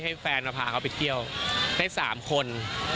ให้แฟนมาพาเขาไปเที่ยวได้๓คน